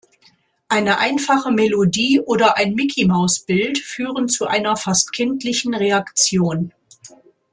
Eine einfache Melodie oder ein Micky-Maus-Bild führen zu einer fast kindlichen Reaktion.